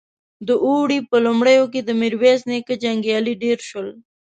د اوړي په لومړيو کې د ميرويس نيکه جنګيالي ډېر شول.